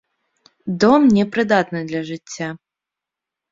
Дом непрыдатны для жыцця.